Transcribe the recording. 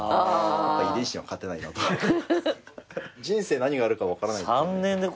人生、何があるかわからない。